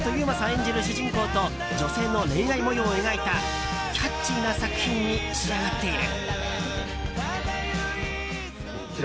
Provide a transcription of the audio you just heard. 演じる主人公と女性の恋愛模様を描いたキャッチーな作品に仕上がっている。